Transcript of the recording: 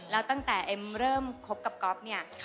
แล้วตั้งแต่เอ็มเริ่มคบกับก๊อฟเนี่ย